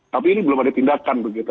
tapi ini belum ada tindakan begitu